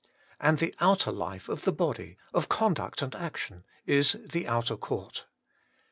And the outer life of the body, of conduct and action, is the outer court.